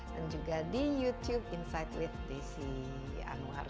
dan juga di youtube insight with desi anwar